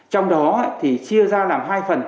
trong đó thì chia ra làm hai phần